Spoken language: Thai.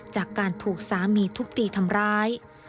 จากการถูกสามีทุบตีทำร้าย